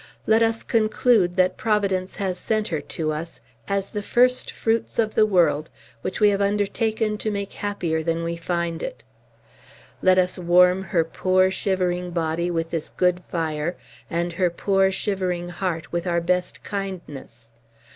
"Let us conclude that Providence has sent her to us, as the first fruits of the world, which we have undertaken to make happier than we find it. Let us warm her poor, shivering body with this good fire, and her poor, shivering heart with our best kindness.